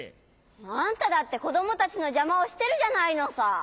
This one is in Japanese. あんただってこどもたちのじゃまをしてるじゃないのさ。